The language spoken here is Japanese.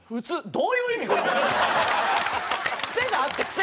どういう意味？